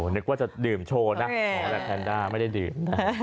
นึกว่าจะดื่มโชว์นะขอแบบแพนด้าไม่ได้ดื่ม